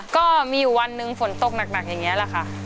ก็มีอยู่วันหนึ่งฝนตกหนักอย่างนี้แหละค่ะ